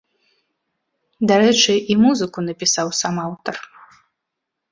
Дарэчы, і музыку напісаў сам аўтар.